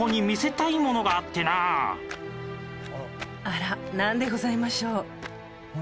あらなんでございましょう？